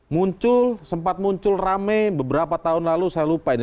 muncul sempat muncul rame beberapa tahun lalu saya lupa ini